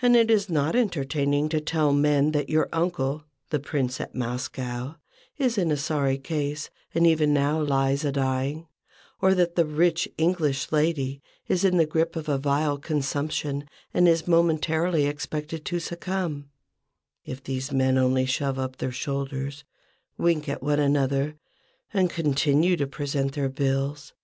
And it is not entertaining to tell men that your uncle, the Prince at Moscow, is in sorry case, and even now lies a dying, or that the rich English lady is in the grip of a vile consumption and is momently expected to succumb, if these men only shove up their shoulders, wink at one another, and continue to present their bills.